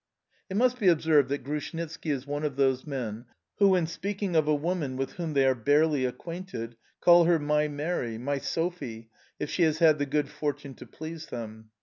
It must be observed that Grushnitski is one of those men who, in speaking of a woman with whom they are barely acquainted, call her my Mary, my Sophie, if she has had the good fortune to please them.